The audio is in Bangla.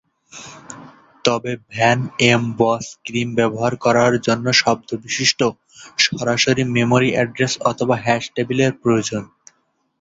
তবে ভ্যান এম বস ক্রিম ব্যবহার করার জন্য শব্দ বিশিষ্ট সরাসরি মেমোরি অ্যাড্রেস অথবা হ্যাশ টেবিল এর প্রয়োজন।